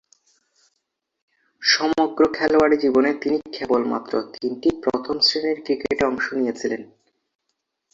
সমগ্র খেলোয়াড়ী জীবনে তিনি কেবলমাত্র তিনটি প্রথম-শ্রেণীর ক্রিকেটে অংশ নিয়েছিলেন।